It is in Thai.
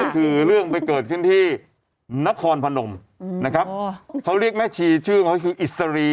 ก็คือเรื่องไปเกิดขึ้นที่นครพนมนะครับเขาเรียกแม่ชีชื่อของเขาคืออิสรี